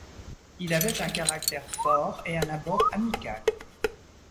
Il avait un caractère fort et un abord amical.